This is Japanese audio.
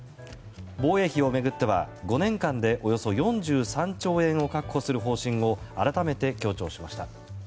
防衛費を巡っては、５年間でおよそ４３兆円を確保する方針を改めて強調しました。